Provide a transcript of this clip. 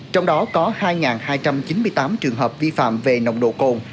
trong đó có hai hai trăm chín mươi tám trường hợp vi phạm về nồng độ cồn